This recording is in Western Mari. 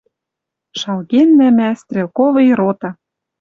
Шалгеннӓ мӓ, стрелковый рота